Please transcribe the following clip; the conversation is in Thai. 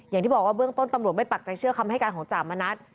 อย่างที่บอกว่าเบื้องต้นตำรวจไม่ปักใจเชื่อคำให้การของจ่ามณัฐ